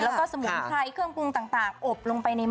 แล้วก็สมุนไพรเครื่องปรุงต่างอบลงไปในห